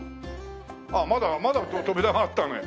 あっまだまだ扉があったね。